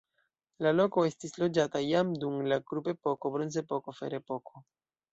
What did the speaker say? La loko estis loĝata jam dum la kuprepoko, bronzepoko, ferepoko.